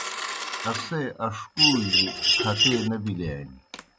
اسے اݜکُو جیْ کھکیئے نہ بِلِیانیْ۔